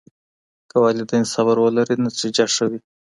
که والدین صبر ولري نتیجه ښه وي.